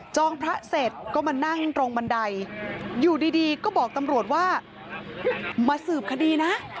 พระเสร็จก็มานั่งตรงบันไดอยู่ดีก็บอกตำรวจว่ามาสืบคดีนะ